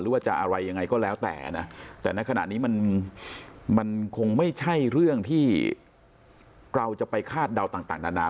หรือว่าจะอะไรยังไงก็แล้วแต่นะแต่ในขณะนี้มันคงไม่ใช่เรื่องที่เราจะไปคาดเดาต่างนานา